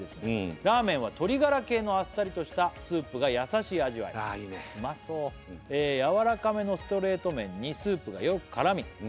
「ラーメンは鶏がら系のあっさりとしたスープが優しい味わい」ああいいねうまそう「やわらかめのストレート麺にスープがよく絡み」